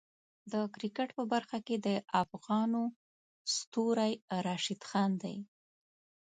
د کرکټ په برخه کې د افغانو ستوری راشد خان دی.